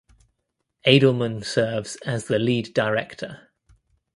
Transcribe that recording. Adelman serves as the Lead Director.